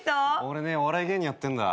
俺ねお笑い芸人やってんだ。